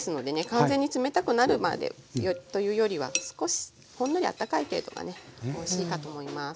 完全に冷たくなるまでというよりは少しほんのりあったかい程度がねおいしいかと思います。